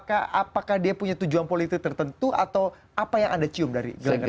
apakah dia punya tujuan politik tertentu atau apa yang anda cium dari gerindra